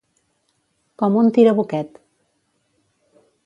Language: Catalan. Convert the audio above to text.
Com un tirabuquet.